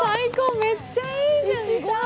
めっちゃいいじゃん！